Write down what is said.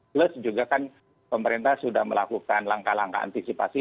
plus juga kan pemerintah sudah melakukan langkah langkah antisipasi